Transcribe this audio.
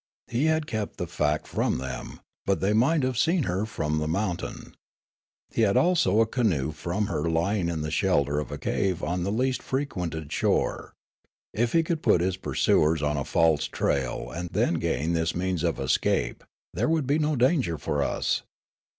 He had kept the fact from them, but they might have seen her from the mount ain. He had also a canoe from her lying in the shelter of a cave on the least frequented shore. If he could put his pursuers on a false trail and then gain this means of escape, there would be no danger for us.